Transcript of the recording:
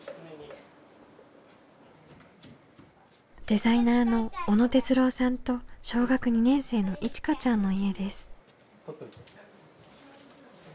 デザイナーの小野哲郎さんと小学２年生のいちかちゃんの家です。